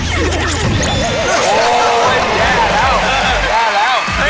โอ้ยแย่แล้วแย่แล้ว